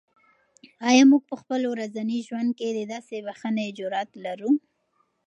آیا موږ په خپل ورځني ژوند کې د داسې بښنې جرات لرو؟